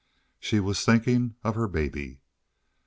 She was thinking of her baby.